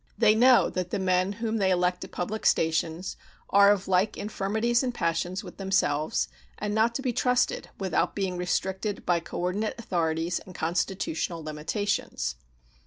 They know that the men whom they elect to public stations are of like infirmities and passions with themselves, and not to be trusted without being restricted by coordinate authorities and constitutional limitations.